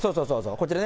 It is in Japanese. こちらね。